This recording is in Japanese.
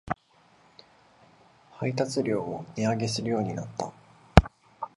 配達料を値上げするようになった